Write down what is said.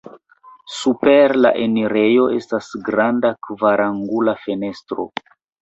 Super la enirejo estas granda kvarangula fenestro.